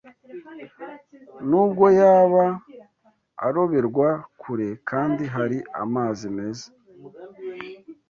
Nubwo yaba aroberwa kure kandi hari amazi meza,